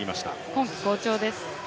今季好調です。